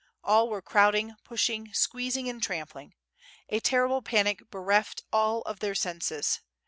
All were crowding, pushing, squeezing, and trampling. A ter rible panic bereft all of their senses.